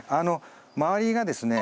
周りがですね